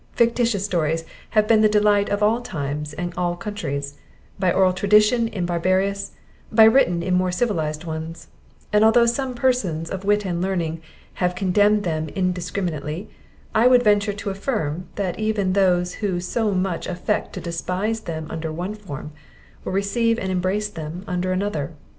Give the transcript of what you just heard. Fictitious stories have been the delight of all times and all countries, by oral tradition in barbarous, by writing in more civilized ones; and although some persons of wit and learning have condemned them indiscriminately, I would venture to affirm, that even those who so much affect to despise them under one form, will receive and embrace them under another.